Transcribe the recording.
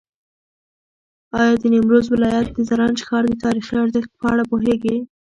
ایا د نیمروز ولایت د زرنج ښار د تاریخي ارزښت په اړه پوهېږې؟